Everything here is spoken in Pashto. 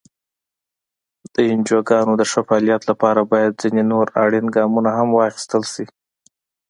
د انجوګانو د ښه فعالیت لپاره باید ځینې نور اړین ګامونه هم واخیستل شي.